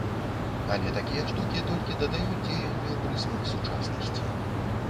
Але такія штукі толькі дадаюць дзеянню прысмак сучаснасці.